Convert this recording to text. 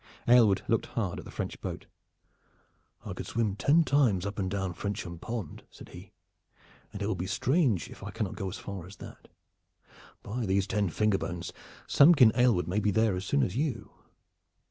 Aylward looked hard at the French boat. "I could swim ten times up and down Frensham pond," said he, "and it will be strange if I cannot go as far as that. By these finger bones, Samkin Aylward may be there as soon as you!"